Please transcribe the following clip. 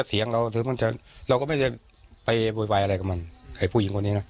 ไอผู้หญิงตัวเล็กคืนไม่มีการสู้